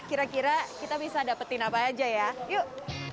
kira kira kita bisa dapetin apa aja ya yuk